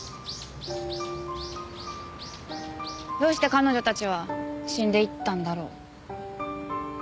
どうして彼女たちは死んでいったんだろう。